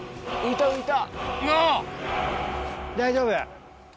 大丈夫？